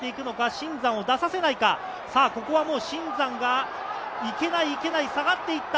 新山を出させないか、ここはもう新山がいけない、いけない、下がっていった！